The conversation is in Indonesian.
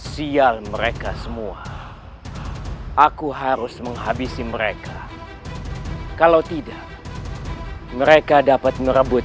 sial mereka semua aku harus menghabisi mereka kalau tidak mereka dapat merebut